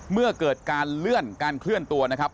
เมื่อเกิดการเลื่อนการเคลื่อนตัวนะครับ